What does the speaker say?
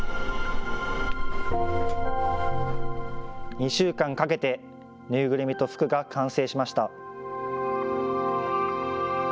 ２週間かけて縫いぐるみと服が完成しました。